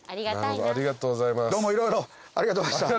どうも色々ありがとうございました。